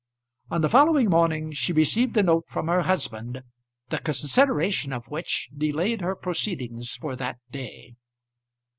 On the following morning she received a note from her husband the consideration of which delayed her proceedings for that day.